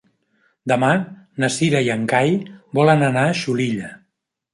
Demà na Cira i en Cai volen anar a Xulilla.